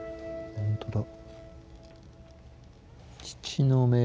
本当だ。